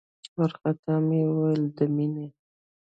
وارخطا مې وويل د مينې.